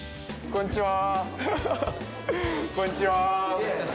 こんちは。